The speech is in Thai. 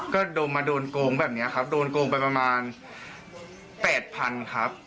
ก็โดนมาโดนโกงแบบนี้ครับโดนโกงไปประมาณ๘๐๐๐ครับ